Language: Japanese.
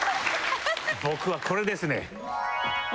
僕はこれですね。